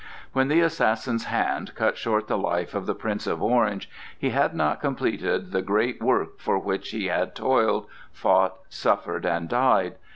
When the assassin's hand cut short the life of the Prince of Orange, he had not completed the great work for which he had toiled, fought, suffered and died.